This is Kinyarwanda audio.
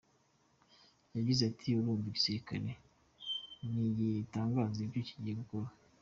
Yagize ati: “Urumva..igisirikare ntigitangaza ibyo kigiye gukora.